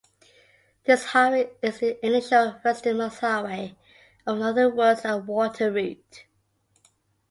This highway is the initial westernmost highway of the Northern Woods and Water Route.